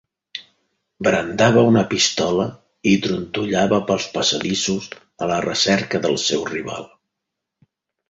Brandava una pistola i trontollava pels passadissos a la recerca del seu rival.